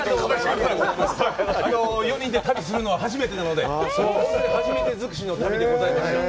４人で旅するのは初めてなので、初めて尽くしの旅でございました。